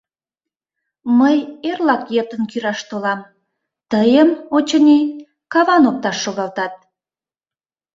— Мый эрлак йытын кӱраш толам, тыйым, очыни, каван опташ шогалтат.